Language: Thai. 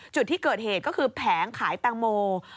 จุดที่เกิดเหตุก็คือแผงขายแตงโม